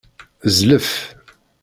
Zlef.